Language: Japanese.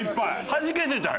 はじけてたよ！